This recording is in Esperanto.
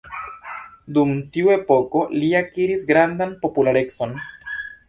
Dum tiu epoko li akiris grandan popularecon.